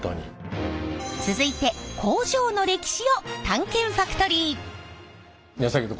続いて工場の歴史を探検ファクトリー。